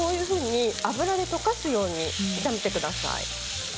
油で溶かすように炒めてください。